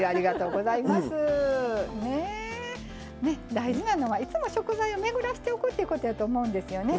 大事なのは、いつも食材をめぐり合わせておくということやと思うんですよね。